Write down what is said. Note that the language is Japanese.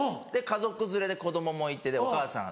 家族連れで子供もいてお母さん。